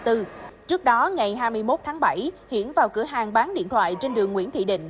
trước đó ngày hai mươi một tháng bảy hiển vào cửa hàng bán điện thoại trên đường nguyễn thị định